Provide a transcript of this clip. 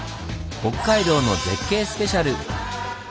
北海道の絶景スペシャル！